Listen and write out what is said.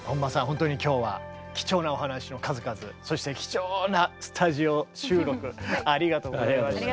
本当に今日は貴重なお話の数々そして貴重なスタジオ収録ありがとうございました。